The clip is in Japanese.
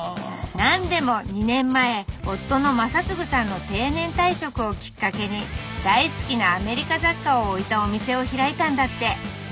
何でも２年前夫の正次さんの定年退職をきっかけに大好きなアメリカ雑貨を置いたお店を開いたんだって。